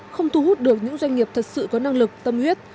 không thu hút được những doanh nghiệp thật sự có năng lực tâm huyết